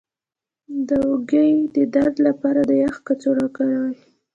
د اوږې د درد لپاره د یخ کڅوړه وکاروئ